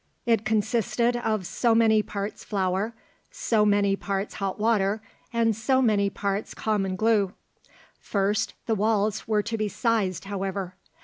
It consisted of so many parts flour, so many parts hot water and so many parts common glue. First, the walls were to be sized, however.